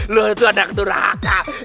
lo anak deraka